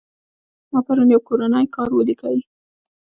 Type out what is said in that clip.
ما پرون يو کورنى کار وليکى.